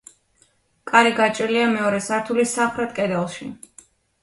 კარი გაჭრილია მეორე სართულის სამხრეთ კედელში.